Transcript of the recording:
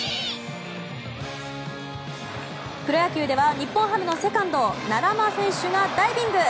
プロ野球では日本ハムのセカンド奈良間選手がダイビング。